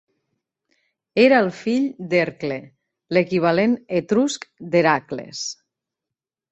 Era el fill d'Hercle, l'equivalent etrusc d'Heracles.